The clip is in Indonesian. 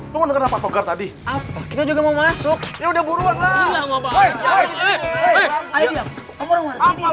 mau denger apa pogar tadi apa kita juga mau masuk ya udah buruan lah